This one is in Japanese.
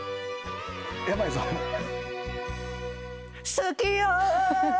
「好きよ」